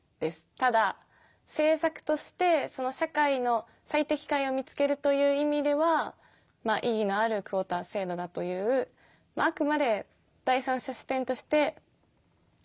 ただ政策としてその社会の最適解を見つけるという意味ではまあ意義のあるクオータ制度だというあくまで第三者視点としていいというふうなスタンスです。